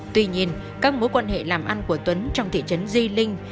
tuy nhiên các mối quan hệ làm ăn của tuấn trong thị trấn di linh